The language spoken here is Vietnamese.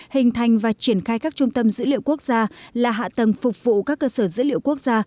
hình thành và triển khai các trung tâm dữ liệu quốc gia là hạ tầng phục vụ các cơ sở dữ liệu quốc gia